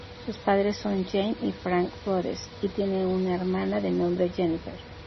Sus padres son Jane y Frank Rhodes, y tiene una hermana de nombre Jennifer.